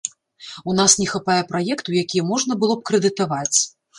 У нас не хапае праектаў, якія можна было б крэдытаваць.